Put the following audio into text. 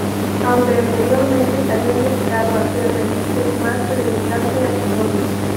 Aunque anteriormente se habían dedicado a hacer remixes más que dedicarse a su propia.